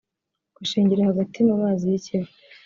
ugashingira hagati mu mazi y’i Kivu